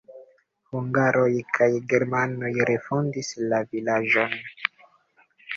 Hungaroj kaj germanoj refondis la vilaĝon.